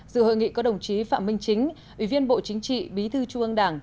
dự hội nghị có đồng chí phạm minh chính ủy viên bộ chính trị bí thư trung ương đảng